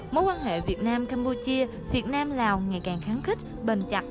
mối quan hệ việt nam campuchia việt nam lào ngày càng kháng khích bền chặt